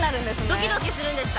ドキドキするんですか？